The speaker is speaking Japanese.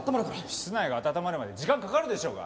室内が暖まるまで時間かかるでしょうが！